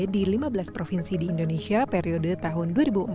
di lima belas provinsi di indonesia periode tahun dua ribu empat belas dua ribu